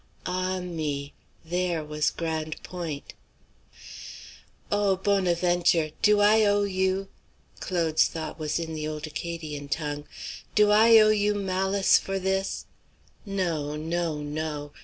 Ah me! there was Grande Pointe. "O Bonaventure! Do I owe you" Claude's thought was in the old Acadian tongue "Do I owe you malice for this? No, no, no!